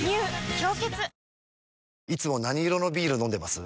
「氷結」いつも何色のビール飲んでます？